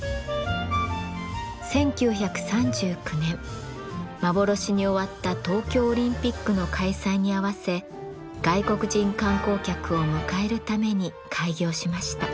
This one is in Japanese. １９３９年幻に終わった東京オリンピックの開催に合わせ外国人観光客を迎えるために開業しました。